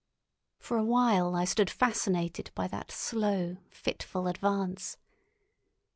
For a while I stood fascinated by that slow, fitful advance.